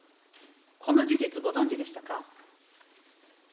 この事実、ご存じでしたか。